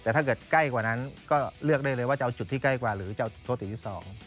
แต่ถ้าเกิดใกล้กว่านั้นก็เลือกได้เลยว่าจะเอาจุดที่ใกล้กว่าหรือจะเอาโทษีที่๒